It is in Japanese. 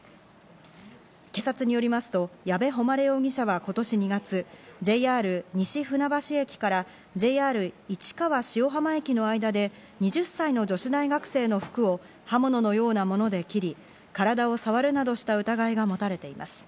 警察によりますと、矢部誉容疑者は今年２月、ＪＲ西船橋駅からＪＲ市川塩浜駅の間で２０歳の女子大学生の服を刃物のようなもので切り、体をさわるなどした疑いが持たれています。